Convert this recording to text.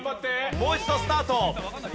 もう一度スタート。